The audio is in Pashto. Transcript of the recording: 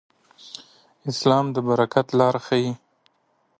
اسلام د برکت لار ښيي.